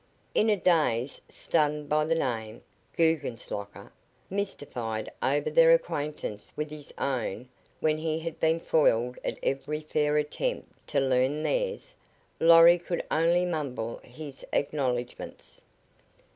In a daze, stunned by the name, Guggenslocker, mystified over their acquaintance with his own when he had been foiled at every fair attempt to learn theirs, Lorry could only mumble his acknowledgments.